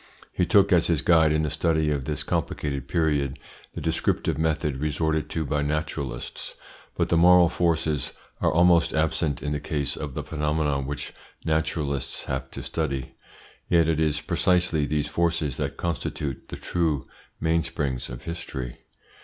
He took as his guide in the study of this complicated period the descriptive method resorted to by naturalists; but the moral forces are almost absent in the case of the phenomena which naturalists have to study. Yet it is precisely these forces that constitute the true mainsprings of history.